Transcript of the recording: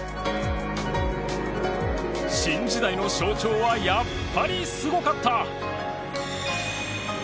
新時代の象徴はやっぱりすごかった！